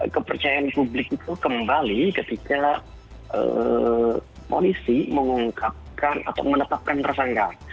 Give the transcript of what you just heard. kepercayaan publik itu kembali ketika polisi mengungkapkan atau menetapkan tersangka